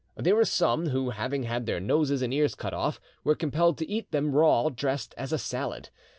There were some who, having had their noses and ears cut off, were compelled to eat them raw, dressed as a salad.